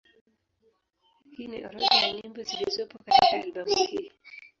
Hii ni orodha ya nyimbo zilizopo katika albamu hii.